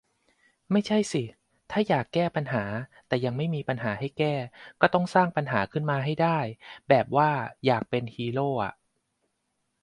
ไม่ใช่สิ ถ้าอยากแก้ปัญหา แต่ยังไม่มีปัญหาให้แก้ ก็ต้องสร้างปัญหาขึ้นมาให้ได้ แบบว่าอยากเป็นฮีโร่อ่ะ